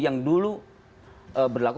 yang dulu berlaku pada pemerintah